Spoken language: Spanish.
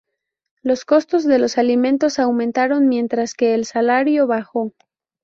Los costos de los alimentos aumentaron mientras que el salario bajó.